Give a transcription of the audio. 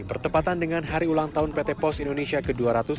bertepatan dengan hari ulang tahun pt pos indonesia ke dua ratus tujuh puluh enam